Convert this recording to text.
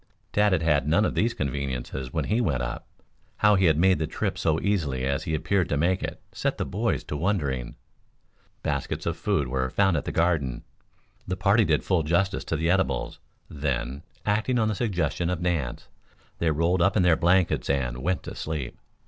Tad had had none of these conveniences when he went up. How he had made the trip so easily as he appeared to make it set the boys to wondering. Baskets of food were found at the Garden. The party did full justice to the edibles, then, acting on the suggestion of Nance, they rolled up in their blankets and went to sleep.